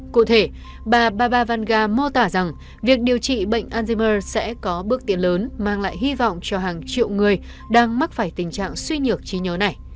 cụ thể bà ba vanga mô tả rằng việc điều trị bệnh alzhimer sẽ có bước tiến lớn mang lại hy vọng cho hàng triệu người đang mắc phải tình trạng suy nhược trí nhớ này